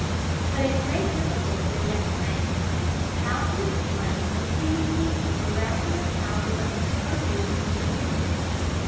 But a great difficulty yet remains: How to explain the seemingly miraculous powers of the supposed engineers?